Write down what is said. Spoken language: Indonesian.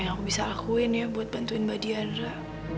apa yang bisa aku lakukan ya untuk membantu mbak diandra